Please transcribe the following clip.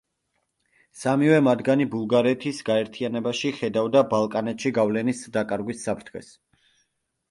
სამივე მათგანი ბულგარეთის გაერთიანებაში ხედავდა ბალკანეთში გავლენის დაკარგვის საფრთხეს.